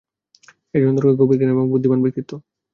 এর জন্য দরকার গভীর জ্ঞান এবং বুদ্ধিমান ব্যক্তিত্ব।